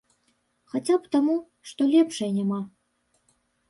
Хаця б таму, што лепшай няма.